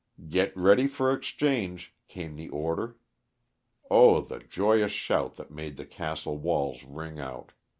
Get ready for exchange," came the order. Oh! the joyous shout that made the castle walls ring out.